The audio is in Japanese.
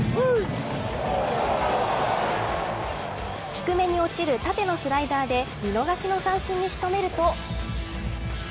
低めに落ちる縦のスライダーで見逃しの三振に仕留めると。